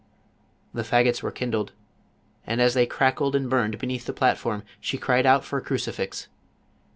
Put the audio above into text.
The fagots were kindled, and as they crackled and burned beneath the platform, she cried out for a cruci fix.